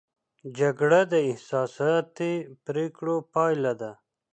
جګړه د احساساتي پرېکړو پایله ده.